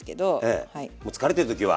ええもう疲れてる時は。